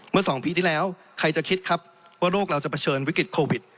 ๒ปีที่แล้วใครจะคิดครับว่าโรคเราจะเผชิญวิกฤตโควิด